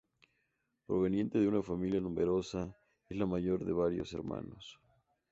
Proveniente de una familia numerosa, es la mayor de varios hermanos.